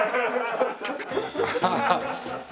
ハハハ。